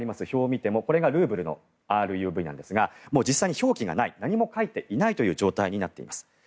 表を見てもこれがルーブルのＲＵＢなんですが実際に表記がない何も書いていない状態になっています。